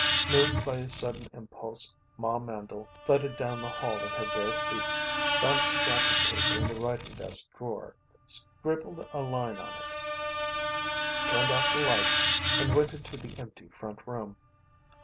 Moved by a sudden impulse Ma Mandle thudded down the hall in her bare feet, found a scrap of paper in the writing desk drawer, scribbled a line on it, turned out the light, and went into the empty front room.